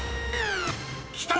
［きた！］